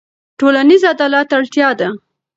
ټولنیز عدالت اړتیا ده.